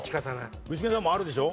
具志堅さんもあるんでしょ？